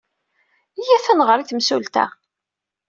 Iyyat ad nɣer i temsulta.